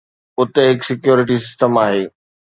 اتي هڪ security system آهي.